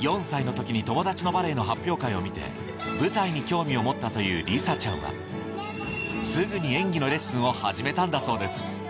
４歳の時に友達のバレエの発表会を見て舞台に興味を持ったという里咲ちゃんはすぐに演技のレッスンを始めたんだそうです